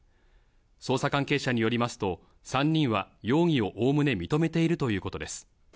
捜査関係者によりますと３人は容疑を概ね認めているということです。